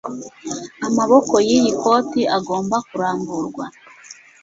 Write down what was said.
Amaboko yiyi koti agomba kuramburwa.